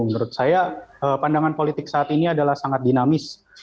menurut saya pandangan politik saat ini adalah sangat dinamis